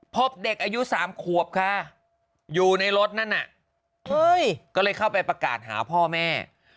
พบเด็กอายุ๓ขวบค่ะอยู่ในรถนั่นน่ะก็เลยเข้าไปประกาศหาพ่อแม่